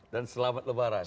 dan selamat malam